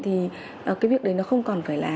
thì cái việc đấy nó không còn phải là